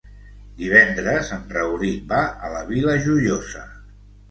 Divendres en Rauric va a la Vila Joiosa.